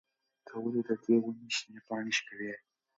ته ولې د دې ونې شنې پاڼې شوکوې؟